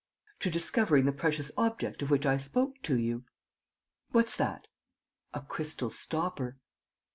"To discovering the precious object of which I spoke to you." "What's that?" "A crystal stopper."